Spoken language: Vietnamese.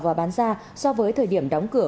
và bán ra so với thời điểm đóng cửa